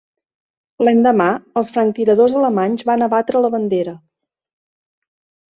L'endemà, els franctiradors alemanys van abatre la bandera.